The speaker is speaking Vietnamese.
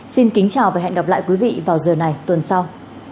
xin kính chào và hẹn gặp lại quý vị vào giờ này tuần sau